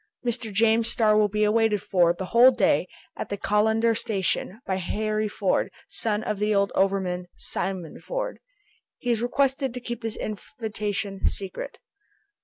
"Mr. James Starr will be awaited for, the whole day, at the Callander station, by Harry Ford, son of the old overman Simon Ford." "He is requested to keep this invitation secret."